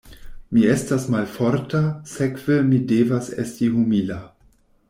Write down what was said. Mi estas malforta, sekve mi devas esti humila.